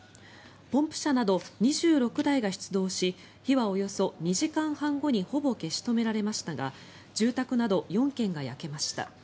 ポンプ車など２６台が出動し火はおよそ２時間半後にほぼ消し止められましたが住宅など４軒が焼けました。